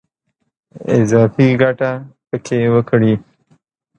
اضافي ګټه په کې وکړي.